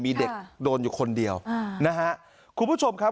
มีเด็กโดนอยู่คนเดียวนะฮะคุณผู้ชมครับ